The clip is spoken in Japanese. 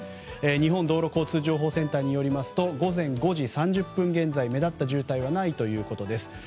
日本道路交通情報センターによりますと目立った渋滞はないということです。